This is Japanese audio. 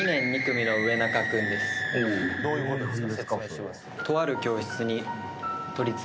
どういうことですか？